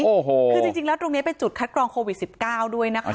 โอ้โหคือจริงแล้วตรงนี้เป็นจุดคัดกรองโควิด๑๙ด้วยนะคะ